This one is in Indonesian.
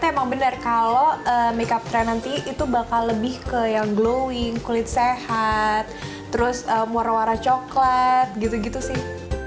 ternyata emang bener kalau make up trend nanti itu bakal lebih ke yang glowing kulit sehat terus warna warna coklat gitu gitu sih